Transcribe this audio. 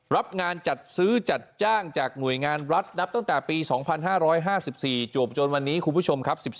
รับงานจัดซื้อจัดจ้างจากหน่วยงานรัฐนับตั้งแต่ปี๒๕๕๔จวบจนวันนี้คุณผู้ชมครับ